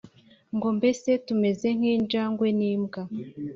ngo mbese tumeze nk'injangwe n'imbwa?"